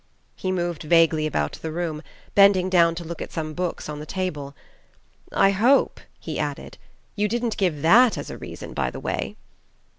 He moved vaguely about the room, bending down to look at some books on the table. "I hope," he added, "you didn't give that as a reason, by the way?"